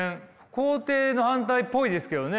肯定の反対っぽいですけどね